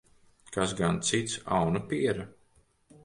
Kas gan cits, aunapiere?